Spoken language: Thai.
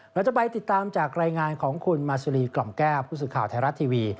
เราจะไปติดตามจากรายงานของคุณมาสุรีกล่อมแก้วผู้สื่อข่าวไทยรัฐทีวี